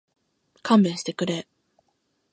勘弁してくれ